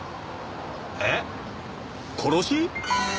えっ？殺し？